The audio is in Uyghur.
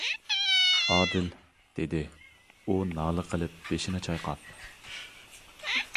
-ئادىل-دېدى ئۇ نالە قىلىپ بېشىنى چايقاپ.